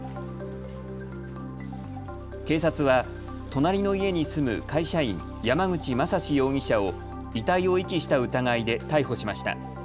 警察は隣の家に住む会社員、山口正司容疑者を遺体を遺棄した疑いで逮捕しました。